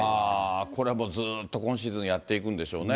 これはもうずっと今シーズンやっていくんでしょうね。